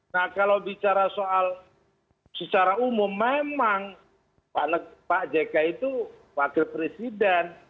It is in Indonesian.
nah kalau bicara soal secara umum memang pak jk itu wakil presiden